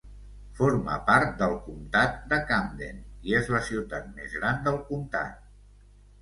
Forma part del comtat de Camden i és la ciutat més gran del comtat.